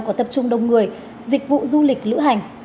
có tập trung đông người dịch vụ du lịch lữ hành